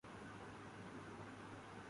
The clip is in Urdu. مجھے اونچا سنتا ہے